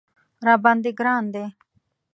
راباندې ګران دی